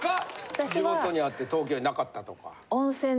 地元にあって東京になかったとか。